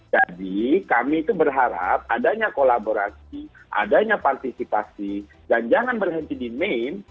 jadi kami itu berharap adanya kolaborasi adanya partisipasi dan jangan berhenti di main